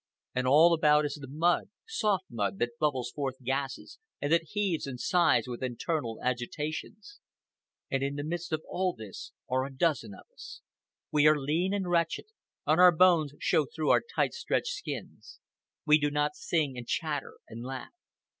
And all about is the mud, soft mud, that bubbles forth gases, and that heaves and sighs with internal agitations. And in the midst of all this are a dozen of us. We are lean and wretched, and our bones show through our tight stretched skins. We do not sing and chatter and laugh.